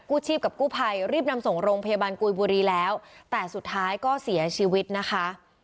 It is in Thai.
ชีพกับกู้ภัยรีบนำส่งโรงพยาบาลกุยบุรีแล้วแต่สุดท้ายก็เสียชีวิตนะคะ